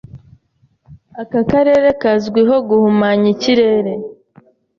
Aka karere kazwiho guhumanya ikirere.